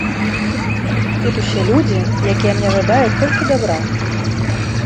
Тут усе людзі, які мне жадаюць толькі дабра.